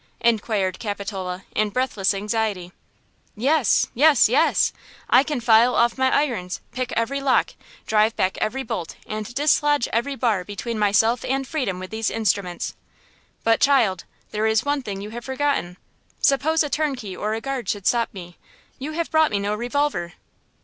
inquired Capitola, in breathless anxiety. "Yes–yes–yes! I can file off my irons, pick every lock, drive back every bolt, and dislodge every bar between myself and freedom with these instruments! But, child, there is one thing you have forgotten: suppose a turnkey or a guard should stop me? You have brought me no revolver!"